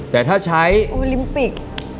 แต่ถ้าใช้โอลิมปิก